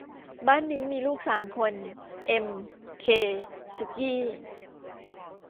บ้านนี้มีลูกสามคน เอ็ม เค สุกี้